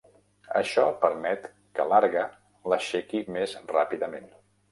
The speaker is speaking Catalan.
Això permet que l'argue l'aixequi més ràpidament.